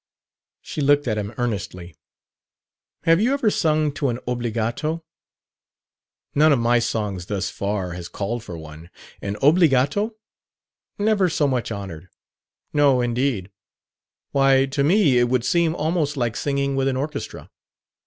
She looked at him earnestly. "Have you ever sung to an obbligato?" "None of my songs, thus far, has called for one. An obbligato? Never so much honored. No, indeed. Why, to me it would seem almost like singing with an orchestra.